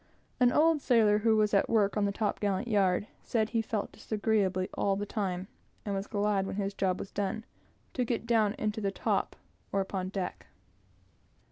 An old sailor, who was at work on the top gallant yard, said he felt disagreeably all the time, and was glad, when his job was done, to get down into the top, or upon the deck.